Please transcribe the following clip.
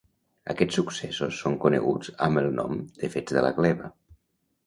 Aquests successos són coneguts amb el nom de Fets de la Gleva.